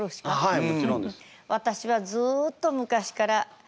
はい。